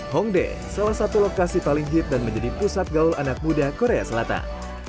hongdae salah satu lokasi paling hit dan menjadi pusat gaul anak muda korea selatan